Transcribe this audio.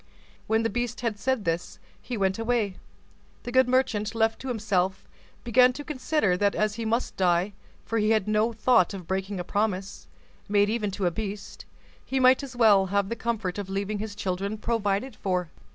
When the beast had said this, he went away. The good merchant, left to himself, began to consider that as he must die—for he had no thought of breaking a promise, made even to a beast—he might as well have the comfort of leaving his children provided for.